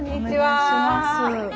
お願いします。